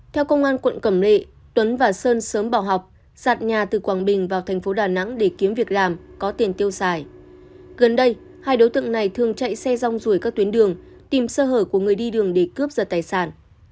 theo công an quận cẩm lệ tuấn và sơn sớm bỏ học sạt nhà từ quảng bình vào thành phố đà nẵng để kiếm việc làm có tiền tiêu xài gần đây hai đối tượng này thường chạy xe rong rủi các tuyến đường tìm sơ hở của người đi đường để cướp giật tài sản